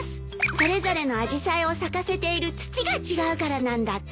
それぞれのアジサイを咲かせている土が違うからなんだって。